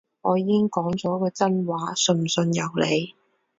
我已經講咗個真話，信唔信由你